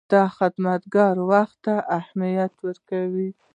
دا خدمتګر وخت ته اهمیت ورکوي.